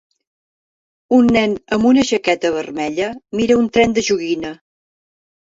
Un nen amb una jaqueta vermella mira un tren de joguina.